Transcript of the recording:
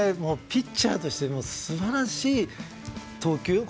ピッチャーとして素晴らしい投球。